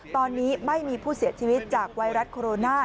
ตอนนี้ไม่มีผู้เสียชีวิตจากไวรัสโคโรนา